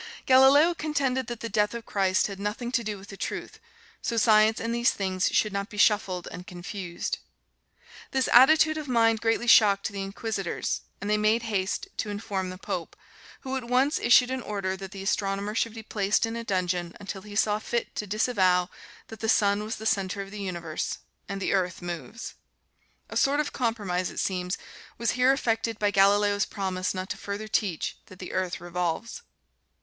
Galileo contended that the death of Christ had nothing to do with the truth, so Science and these things should not be shuffled and confused. This attitude of mind greatly shocked the Inquisitors, and they made haste to inform the Pope, who at once issued an order that the astronomer should be placed in a dungeon until he saw fit to disavow that the sun was the center of the universe, and the earth moves. A sort of compromise, it seems, was here effected by Galileo's promise not to further teach that the earth revolves.